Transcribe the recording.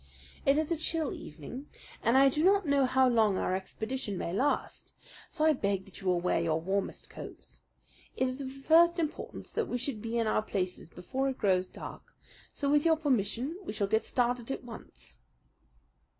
It is a chill evening, and I do not know how long our expedition may last; so I beg that you will wear your warmest coats. It is of the first importance that we should be in our places before it grows dark; so with your permission we shall get started at once."